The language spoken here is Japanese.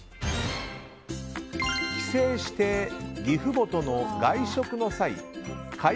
帰省して義父母との外食の際会